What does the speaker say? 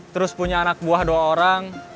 terus punya anak buah dua orang